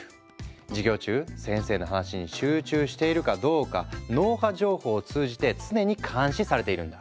授業中先生の話に集中しているかどうか脳波情報を通じて常に監視されているんだ。